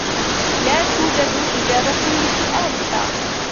لا توجد إجابة لسؤالك.